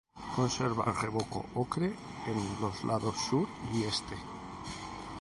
Conserva el revoco, ocre, en los lados sur y este.